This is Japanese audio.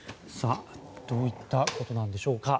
どういったことなんでしょうか。